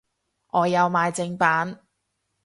我有買正版